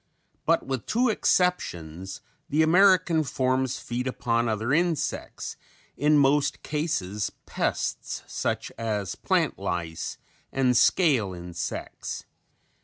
With but two exceptions the American forms feed upon other insects, in most cases pests such as plant lice and scale insects.